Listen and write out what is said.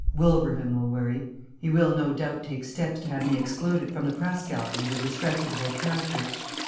"Wilbraham will worry. He will, no doubt, take steps to have me excluded from the Press Gallery as a disreputable character.